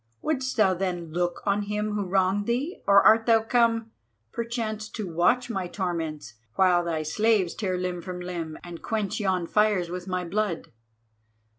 Wouldst thou then look on him who wronged thee, or art thou come, perchance, to watch my torments, while thy slaves tear limb from limb, and quench yon fires with my blood?